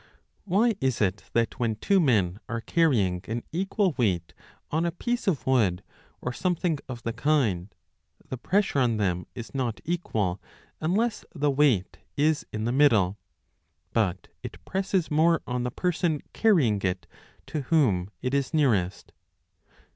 WHY is it that when two men are carrying an equal 29 10 weight on a piece of wood or something of the kind, the pressure on them is not equal unless the weight is in the middle, but it presses more on the person carrying it to whom it is nearest